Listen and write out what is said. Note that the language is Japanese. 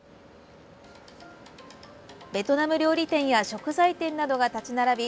ベトナム料理店や食材店などが立ち並び